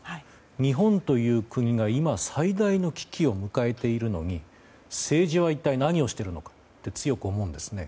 日本という国が今最大の危機を迎えているのに政治は一体何をしているのかって強く思うんですね。